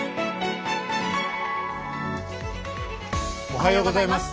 おはようございます。